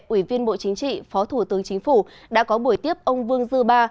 ủy viên bộ chính trị phó thủ tướng chính phủ đã có buổi tiếp ông vương dư ba